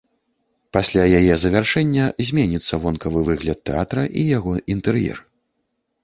Пасля яе завяршэння зменіцца вонкавы выгляд тэатра і яго інтэр'ер.